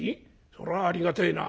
そりゃありがてえな。